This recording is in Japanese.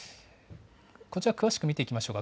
こちら詳しく見ていきましょう。